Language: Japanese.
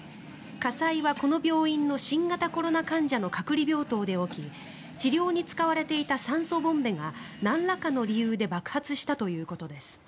火災は、この病院の新型コロナ患者の隔離病棟で起き治療に使われていた酸素ボンベがなんらかの理由で爆発したということです。